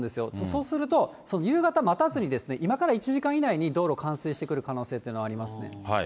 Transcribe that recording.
そうすると、夕方待たずに、今から１時間以内に道路冠水してくる可能性ありますね。